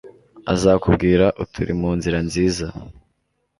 azakubwira ati uri mu nzira nziza